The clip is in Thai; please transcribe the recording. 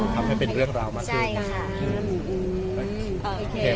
ทำให้เป็นเรื่องราวมากขึ้น